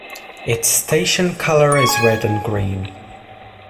Its station colour is red and green.